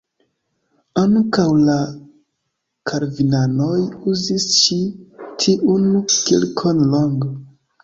Ankaŭ la kalvinanoj uzis ĉi tiun kirkon longe.